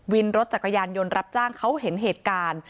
วินรถจักรยานยนต์รับจ้างเขาเห็นเหตุการณ์